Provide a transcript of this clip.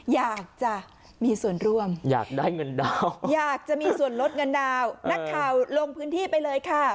อยากจะมีส่วนร่วมอยากได้เงินดาวอยากจะมีส่วนลดเงินดาวนักข่าวลงพื้นที่ไปเลยค่ะ